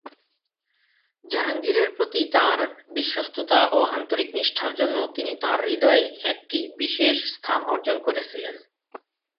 জাহাঙ্গীরের প্রতি তাঁর বিশ্বস্ততা ও আন্তরিক নিষ্ঠার জন্য তিনি তাঁর হৃদয়ে একটি বিশেষ স্থান অর্জন করেছিলেন।